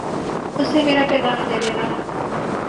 اسے میرا پیغام دے دینا